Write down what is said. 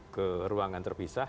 ke ruangan terpisah